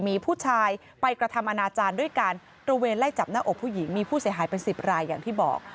มีผู้ชายไปกระทำอนาจารย์ด้วยการตระเวนไล่จับหน้าอกผู้หญิงมีผู้เสียหายเป็น๑๐รายอย่างที่บอก